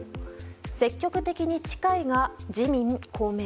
積極的に近いが自民、公明。